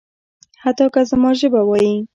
حتی که زما ژبه وايي.